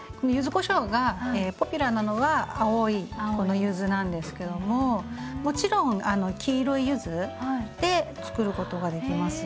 柚子こしょうがポピュラーなのは青いこの柚子なんですけどももちろん黄色い柚子でつくることができます。